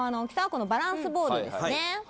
このバランスボールですね